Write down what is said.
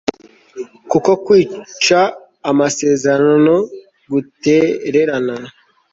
kuko kwica amasezerano, gutererana